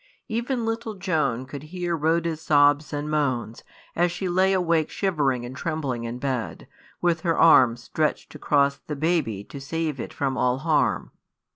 Even little Joan could hear Rhoda's sobs and moans, as she lay awake shivering and trembling in bed, with her arm stretched across the baby to save it from all harm.